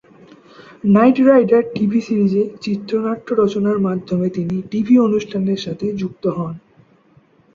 Night Rider TV সিরিজে চিত্রনাট্য রচনার মাধ্যমে তিনি টিভি অনুষ্ঠানের সাথে যুক্ত হন।